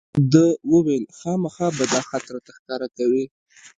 ده وویل خامخا به دا خط راته ښکاره کوې.